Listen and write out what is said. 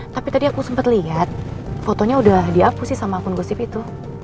tapi tadi aku sempat lihat fotonya udah diaku sih sama akun gosip itu